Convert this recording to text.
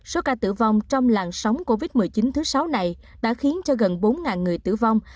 số ca tử vong trong làng sóng covid một mươi chín thứ sáu này đã khiến cho gần bốn người tử vong